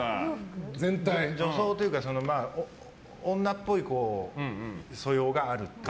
女装というか女の子っぽい素養があるという？